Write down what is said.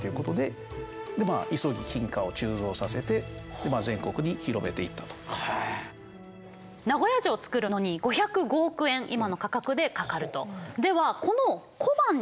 豊臣家が滅んで名古屋城造るのに５０５億円今の価格でかかると。